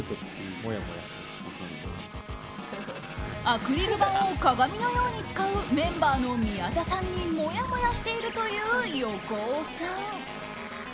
アクリル板を鏡のように使うメンバーの宮田さんにもやもやしているという横尾さん。